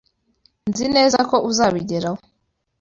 Nzi neza ko uzabigeraho.